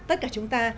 tất cả chúng ta